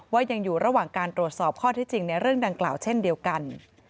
ยังอยู่ระหว่างการตรวจสอบข้อที่จริงในเรื่องดังกล่าวเช่นเดียวกัน